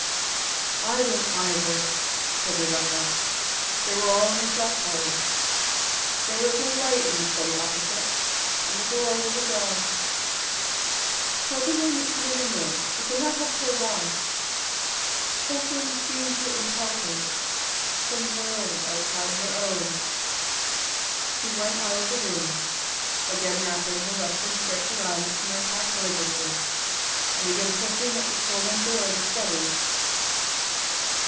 "I don't either," said Rebecca. They were all in the south parlour. There was no light in the study opposite, and the door was ajar. Presently Mrs. Brigham rose she could not have told why; something seemed to impel her, some will outside her own. She went out of the room, again wrapping her rustling skirts around that she might pass noiselessly, and began pushing at the swollen door of the study.